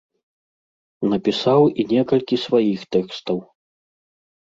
Напісаў і некалькі сваіх тэкстаў.